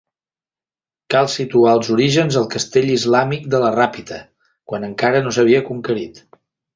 Cal situar els orígens al castell islàmic de la Ràpita, quan encara no s'havia conquerit.